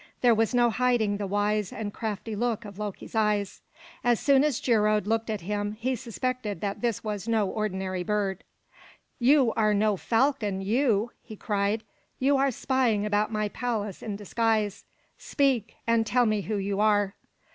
There was no hiding the wise and crafty look of Loki's eyes. As soon as Geirröd looked at him, he suspected that this was no ordinary bird. "You are no falcon, you!" he cried. "You are spying about my palace in disguise. Speak, and tell me who you are."